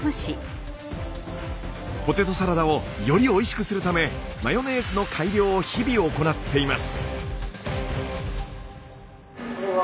ポテトサラダをよりおいしくするためマヨネーズの改良を日々行っています。